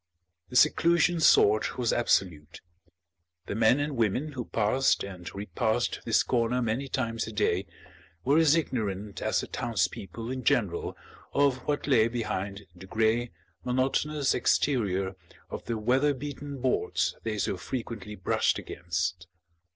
The seclusion sought was absolute. The men and women who passed and repassed this corner many times a day were as ignorant as the townspeople in general of what lay behind the grey, monotonous exterior of the weather beaten boards they so frequently brushed against.